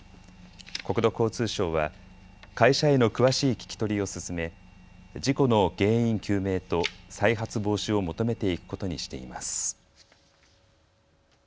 国土交通省は、会社への詳しい聞き取りを進め、事故の原因究明と、再発防止を求めていくことにしています。